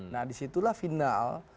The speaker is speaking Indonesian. nah disitulah final